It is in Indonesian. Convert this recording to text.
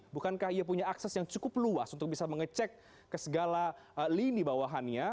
bukankah ia punya akses yang cukup luas untuk bisa mengecek ke segala lini bawahannya